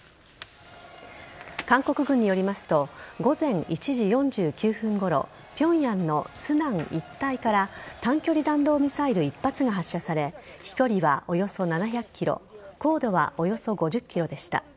韓国軍によりますと午前１時４９分ごろ平壌のスナン一帯から短距離弾道ミサイル１発が発射され飛距離はおよそ７００ｋｍ高度はおよそ５０ｋｍでした。